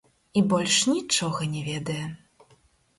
І больш нічога не ведае.